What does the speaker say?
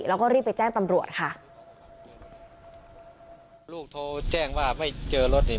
แล้วก็รีบไปแจ้งตำรวจค่ะลูกโทรแจ้งว่าไม่เจอรถนี่